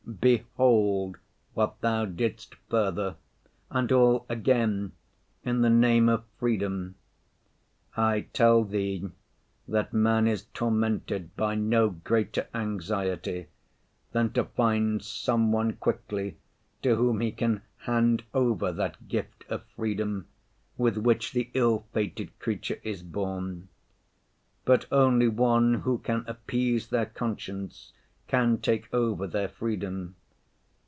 Behold what Thou didst further. And all again in the name of freedom! I tell Thee that man is tormented by no greater anxiety than to find some one quickly to whom he can hand over that gift of freedom with which the ill‐fated creature is born. But only one who can appease their conscience can take over their freedom.